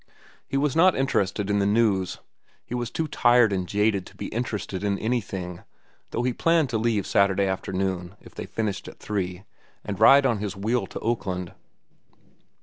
He was not interested in the news. He was too tired and jaded to be interested in anything, though he planned to leave Saturday afternoon, if they finished at three, and ride on his wheel to Oakland.